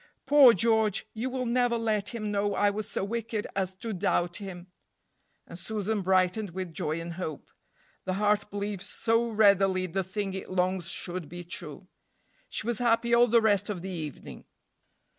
Poor George! you will never let him know I was so wicked as to doubt him." And Susan brightened with joy and hope. The heart believes so readily the thing it longs should be true. She was happy all the rest of the evening.